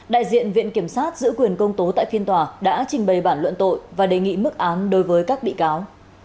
đại diện viện kiểm sát giữ quyền công tố tại phiên tòa đã trình bày bản luận tội và đề nghị mức án đối với các bị cáo